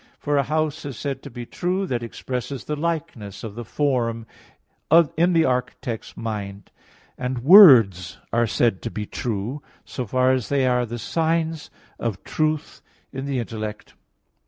For a house is said to be true that expresses the likeness of the form in the architect's mind; and words are said to be true so far as they are the signs of truth in the intellect.